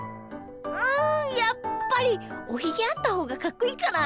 うんやっぱりおひげあったほうがかっこいいかな？